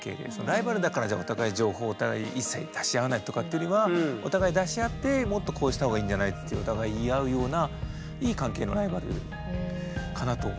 ライバルだからじゃあお互い情報をお互い一切出し合わないとかっていうよりはお互い出し合ってもっとこうした方がいいんじゃない？ってお互い言い合うようないい関係のライバルかなと思ってます。